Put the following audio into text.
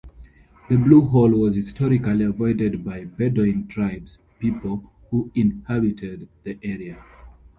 The Blue Hole was historically avoided by Bedouin tribes people who inhabited the area.